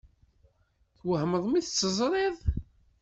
Twehmeḍ mi tt-teẓṛiḍ?